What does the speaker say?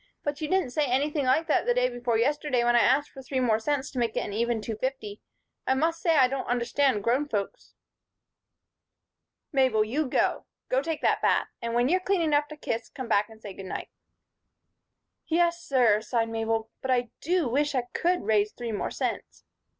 "But you didn't say anything like that day before yesterday when I asked for three more cents to make it an even two fifty. I must say I don't understand grown folks." "Mabel, you go go take that bath. And when you're clean enough to kiss, come back and say good night." "Yes, sir," sighed Mabel, "but I do wish I could raise three more cents."